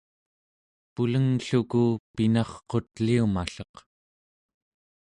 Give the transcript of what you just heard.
pulenglluku pinarqut'liumalleq